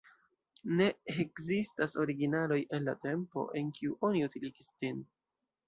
Ne ekzistas originaloj el la tempo, en kiu oni utiligis ĝin.